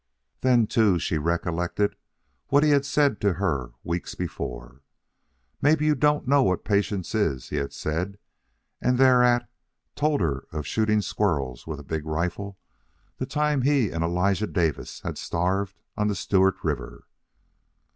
Then, too, she recollected what he had said to her weeks before: "Maybe you don't know what patience is," he had said, and thereat told her of shooting squirrels with a big rifle the time he and Elijah Davis had starved on the Stewart River.